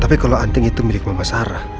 tapi kalau anting itu milik mama sarah